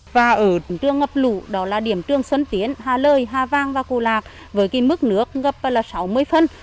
và ở trường ngập lũ đó là điểm trường xuân tiến hà lợi hà vang và cô lạc với mức nước ngập sáu mươi phân